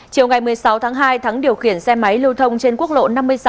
chiều ngày một mươi sáu tháng hai thắng điều khiển xe máy lưu thông trên quốc lộ năm mươi sáu